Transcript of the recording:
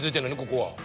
ここは。